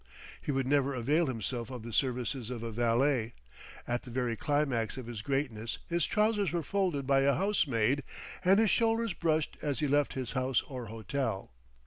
He would never avail himself of the services of a valet; at the very climax of his greatness his trousers were folded by a housemaid and his shoulders brushed as he left his house or hotel.